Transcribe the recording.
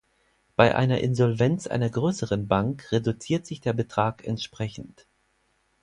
Bei einer Insolvenz einer größeren Bank, reduziert sich der Betrag entsprechend.